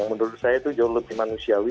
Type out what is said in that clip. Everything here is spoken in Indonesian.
menurut saya itu jauh lebih manusiawi